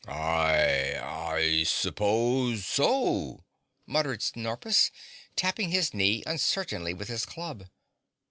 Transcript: "I I suppose so," muttered Snorpus, tapping his knee uncertainly with his club.